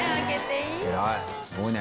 偉い。